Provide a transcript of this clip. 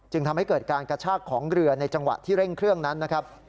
ทำให้เกิดการกระชากของเรือในจังหวะที่เร่งเครื่องนั้นนะครับ